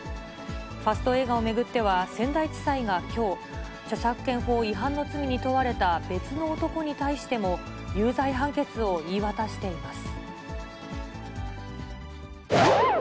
ファスト映画を巡っては、仙台地裁がきょう、著作権法違反の罪に問われた別の男に対しても、有罪判決を言い渡しています。